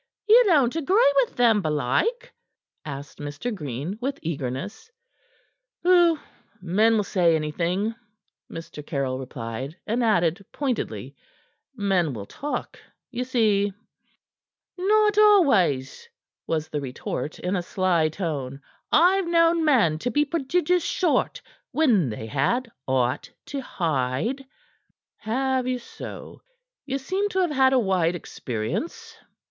"Ye don't agree with them, belike?" asked Mr. Green, with eagerness. "Pooh! Men will say anything," Mr. Caryll replied, and added pointedly: "Men will talk, ye see." "Not always," was the retort in a sly tone. "I've known men to be prodigious short when they had aught to hide." "Have ye so? Ye seem to have had a wide experience."